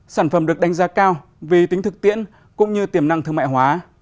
sản phẩm được đánh giá cao vì tính thực tiễn cũng như tiềm năng thương mại hóa